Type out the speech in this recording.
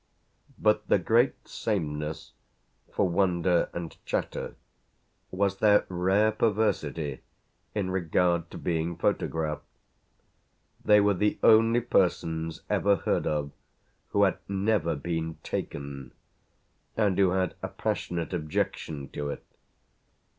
But the great sameness, for wonder and chatter, was their rare perversity in regard to being photographed. They were the only persons ever heard of who had never been "taken" and who had a passionate objection to it.